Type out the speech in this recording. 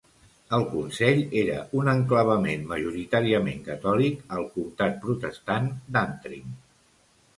El consell era un enclavament majoritàriament catòlic al comtat protestant d'Antrim.